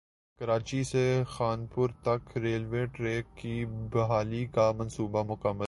کراچی سے خانپور تک railway track کی بحالی کا منصوبہ مکمل